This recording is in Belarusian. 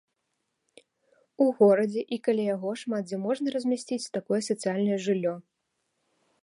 У горадзе і каля яго шмат дзе можна размясціць такое сацыяльнае жыллё.